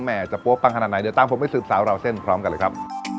จะปั๊วปังขนาดไหนเดี๋ยวตามผมไปสืบสาวราวเส้นพร้อมกันเลยครับ